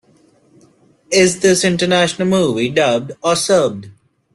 Is this international movie dubbed or subbed?